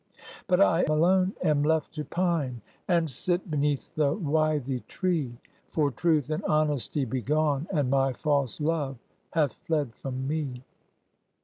But I alone am left to pine, And sit beneath the withy tree; For truth and honesty be gone, And my false love hath fled from me."